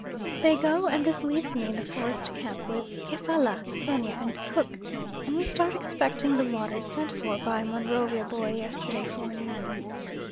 They go, and this leaves me in the forest camp with Kefalla, Xenia, and Cook, and we start expecting the water sent for by Monrovia boy yesterday forenoon.